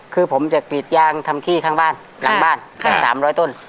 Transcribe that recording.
คือผมจะกรีดยางทำขี้ข้างบ้านหลังบ้าน๓๐๐ต้น